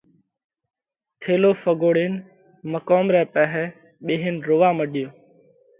ٿيلو ڦڳوۯينَ مقوم رئہ پاهئہ ٻيهينَ روئا مڏيو۔